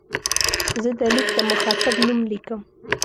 زه د لیک د مخاطب نوم لیکم.